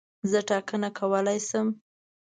زه ټاکنه کولای شم.